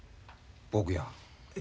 僕や。